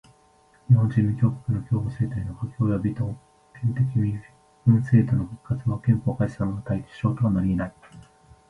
日本人民共和国の共和政体の破棄および特権的身分制度の復活は憲法改正の対象となりえない。